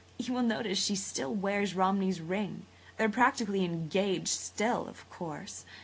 You will notice she still wears Romney's ring. They're practically engaged still, of course.